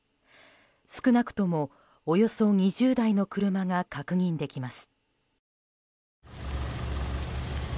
少なくとも、およそ２０台の車が確認できます。